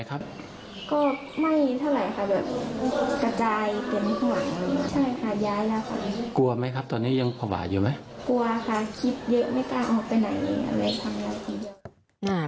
กลัวค่ะคิดเยอะไม่กลัวออกไปไหนเลยค่ะ